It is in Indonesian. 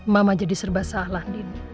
mama jadi serba salah